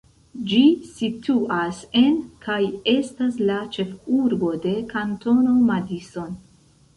Ĝi situas en, kaj estas la ĉefurbo de, Kantono Madison.